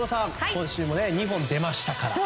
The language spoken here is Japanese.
今週も２本出ましたから。